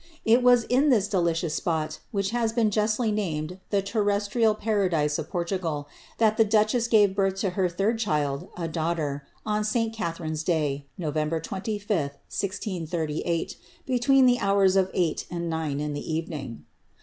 It was in this delicious spot, which has been justly .named the terrestrial paradise of Portugal, that the duchess gave birth to her third child, a daughter, on St. Catharine^s day, Nov. 25, 1638, between the hours of eight and nine in the evening.